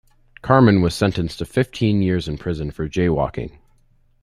Carmen was sentenced to fifteen years in prison for jaywalking.